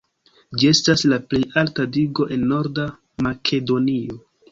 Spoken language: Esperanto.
Ĝi estas la plej alta digo en Norda Makedonio.